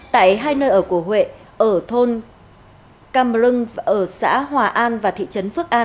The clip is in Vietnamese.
tại hai nơi ở của huệ ở thôn cam rưng ở xã hòa an và thị trấn phước an